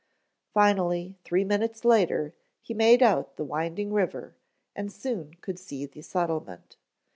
Finally, three minutes later he made out the winding river and soon could see the settlement.